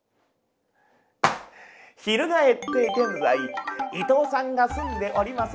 ひるがえって現在伊藤さんが住んでおります